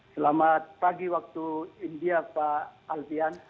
selamat pagi waktu india pak alfian